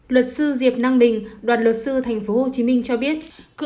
luật sư diệp năng bình đoàn luật sư tp hcm cho biết